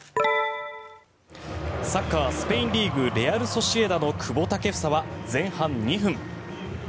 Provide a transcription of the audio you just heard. サッカー・スペインリーグレアル・ソシエダの久保建英は前半２分。